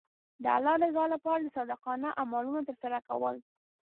د الله رضا لپاره د صادقانه عملونو ترسره کول.